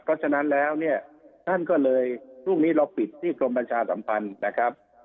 เพราะฉะนั้นแล้วเนี่ยท่านก็เลยพรุ่งนี้เราปิดที่กรมประชาสัมพันธ์นะครับ